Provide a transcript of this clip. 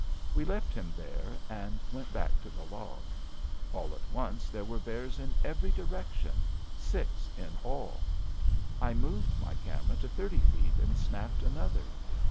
We left him there and went back to the log. All at once there were bears in every direction, six in all. I moved my camera to thirty feet and snapped another.